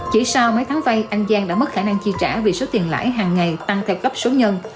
chỉ sau mấy tháng vay anh giang đã mất khả năng chi trả vì số tiền lãi hàng ngày tăng theo cấp số nhân